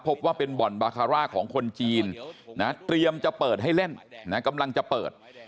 พบว่าเป็นบ่อนบาคาร่าของคนจีนนะเตรียมจะเปิดให้เล่นนะกำลังจะเปิด